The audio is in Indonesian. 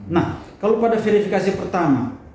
nah kalau pada verifikasi pertama